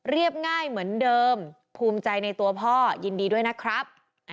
ง่ายเหมือนเดิมภูมิใจในตัวพ่อยินดีด้วยนะครับ